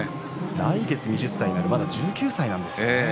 来月２０歳になるまだ１９歳なんですよね。